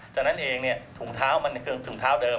จากนั้นเองถุงเท้ามันคือถุงเท้าเดิม